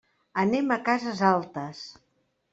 Anem a Casas Altas.